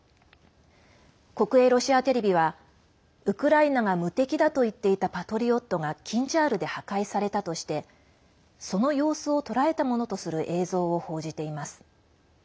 国営ロシアテレビはウクライナが無敵だといっていた「パトリオット」が「キンジャール」で破壊されたとしてその様子を捉えたものとする映像を報じています。